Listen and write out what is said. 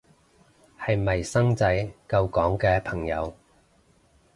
係咪生仔救港嘅朋友